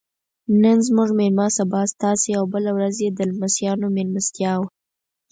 نن زموږ میلمه سبا ستاسې او بله ورځ یې د لمسیانو میلمستیا وه.